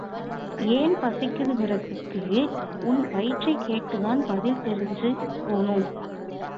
ஏன் பசிக்குதுங்கறதுக்கு உன் வயிற்றைக் கேட்டுத்தான் பதில் தெரிஞ்சுக் கோணும்.